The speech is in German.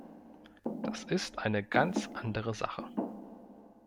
Das ist eine ganz andere Sache.